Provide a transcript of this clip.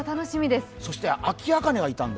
そして、アキアカネがいたんで。